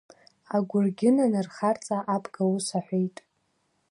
Агәыргьын анырхарҵа, абга ус аҳәеит…